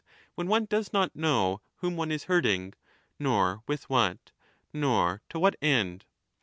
when one does not know whom one is hurting, nor with what, nor to what 25 end.